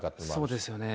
そうですよね。